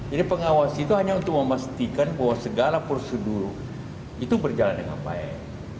jadi pengawas itu hanya untuk memastikan bahwa segala prosedur itu berjalan dengan baik